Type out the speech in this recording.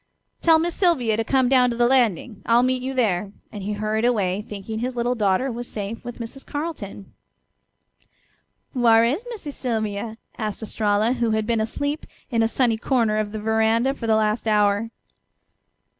"Tell Miss Sylvia to come down to the landing; I'll meet you there," and he hurried away, thinking his little daughter was safe with Mrs. Carleton. "Whar' is Missy Sylvia?" asked Estralla, who had been asleep in a sunny corner of the veranda for the last hour.